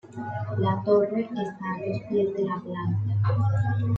La torre está a los pies de la planta.